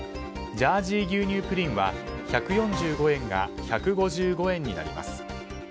ジャージー牛乳プリンは１４５円が１５５円になります。